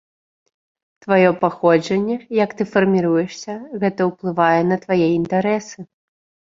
Тваё паходжанне, як ты фарміруешся, гэта ўплывае на твае інтарэсы.